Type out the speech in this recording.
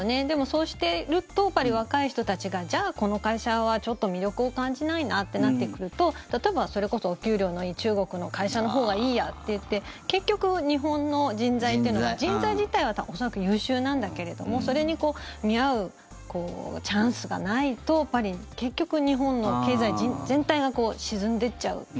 でも、そうしていると若い人たちがじゃあ、この会社はちょっと魅力を感じないなとなってくると例えば、それこそお給料のいい中国の会社のほうがいいやっていって結局、日本の人材っていうのは人材自体は恐らく優秀なんだけれどもそれに見合うチャンスがないと結局、日本の経済全体が沈んでっちゃう。